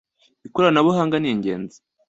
ikoranabuhanga ni ingenzi